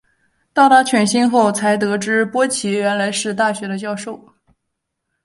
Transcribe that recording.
到达犬星后才得知波奇原来是大学的教授。